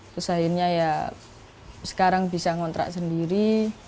terus akhirnya ya sekarang bisa ngontrak sendiri